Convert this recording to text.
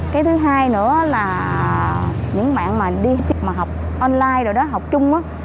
cái thứ hai nữa là những bạn mà đi chụp online rồi đó học chung á